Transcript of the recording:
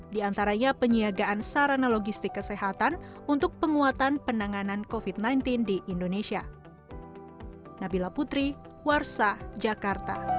di antaranya penyiagaan sarana logistik kesehatan untuk penguatan penanganan covid sembilan belas di indonesia